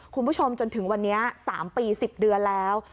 คุณผู้ชมจนถึงวันนี้๓ปี๑๐เดือนแล้ว